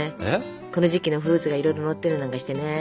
この時期のフルーツがいろいろのったりなんかしてね。